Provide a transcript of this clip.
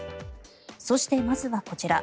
そして、まずはこちら。